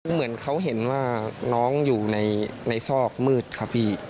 เหมือนเขาเห็นว่าน้องอยู่ในซอกมืดครับพี่